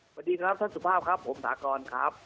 สวัสดีครับท่านสุภาพครับผมถากรครับ